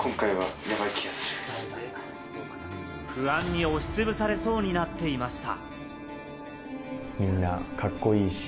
不安に押しつぶされそうになっていました。